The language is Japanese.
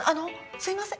すいません。